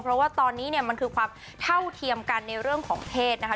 เพราะว่าตอนนี้เนี่ยมันคือความเท่าเทียมกันในเรื่องของเพศนะคะ